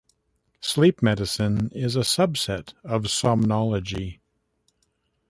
Sleep medicine is a subset of somnology.